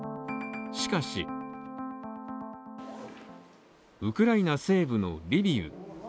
しかしウクライナ西部のリビウ。